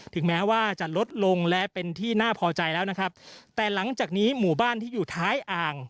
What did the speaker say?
ถึงแม้ว่าจะลดลงและเป็นที่น่าพอใจแล้วนะครับแต่หลังจากนี้หมู่บ้านที่อยู่ท้ายอ่าง